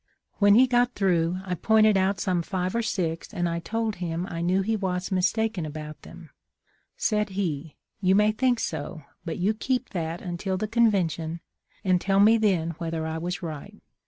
When he got through, I pointed out some five or six, and I told him I knew he was mistaken about them. Said he, 'You may think so, but you keep that until the convention and tell me then whether I was right.'